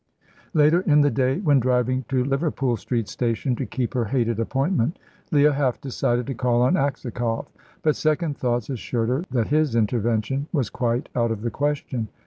Later in the day, when driving to Liverpool Street Station to keep her hated appointment, Leah half decided to call on Aksakoff. But second thoughts assured her that his intervention was quite out of the question.